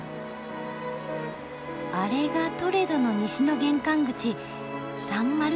あれがトレドの西の玄関口サン・マルティン橋か。